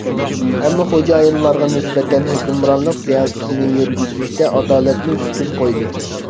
ھەممە خوجايىنلارغا نىسبەتەن ھۆكۈمرانلىق سىياسىتىنى يۈرگۈزۈشتە ئادالەتنى ئۈستۈن قويدى.